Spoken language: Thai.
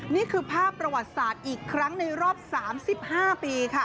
นี่คือภาพประวัติศาสตร์อีกครั้งในรอบ๓๕ปีค่ะ